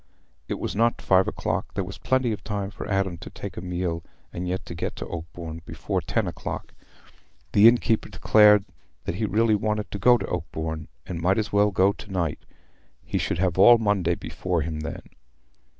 It was not five o'clock; there was plenty of time for Adam to take a meal and yet to get to Oakbourne before ten o'clock. The innkeeper declared that he really wanted to go to Oakbourne, and might as well go to night; he should have all Monday before him then.